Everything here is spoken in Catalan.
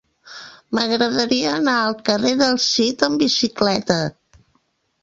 M'agradaria anar al carrer del Cid amb bicicleta.